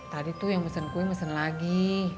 tadi tuh yang mesen kue mesen lagi